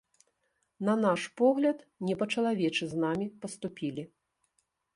На наш погляд, не па-чалавечы з намі паступілі.